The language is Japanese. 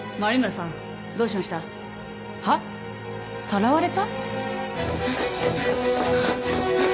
さらわれた？